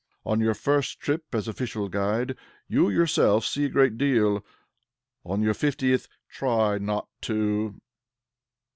On your first trip as official guide, you yourself see a great deal; on your fiftieth, you try not to.